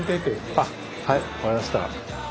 あっはい分かりました。